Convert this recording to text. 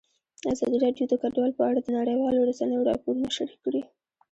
ازادي راډیو د کډوال په اړه د نړیوالو رسنیو راپورونه شریک کړي.